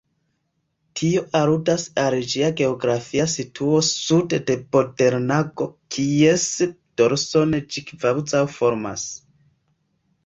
Tio aludas al ĝia geografia situo sude de Bodenlago, kies dorson ĝi kvazaŭ formas.